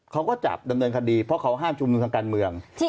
เขาก็จับดำเนินคดีเพราะเขาห้ามชุมนุมทางการเมือง